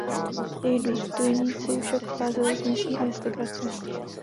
Jejich důstojníci však pocházeli z místní aristokracie.